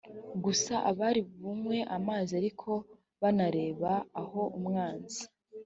gusa abari bunywe amazi ariko banareba aho umwanzi